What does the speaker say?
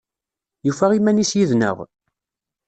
Yufa iman-is yid-neɣ?